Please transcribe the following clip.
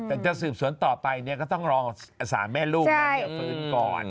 แต่ถ้าสืบสวนต่อไปเนี่ยก็ต้องรออาสาแม่ลูกมาฝืนก่อน